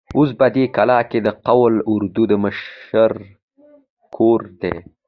اوس په دې کلا کې د قول اردو د مشر کور دی.